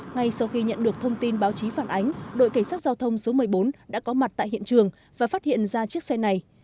ngay sau khi nhận được thông tin báo chí phản ánh đội cảnh sát giao thông số một mươi bốn đã có mặt tại hiện trường và phát hiện ra chiếc xe này